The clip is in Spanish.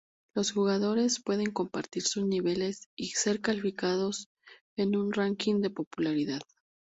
Los jugadores pueden compartir sus niveles y ser calificados en un ranking de popularidad.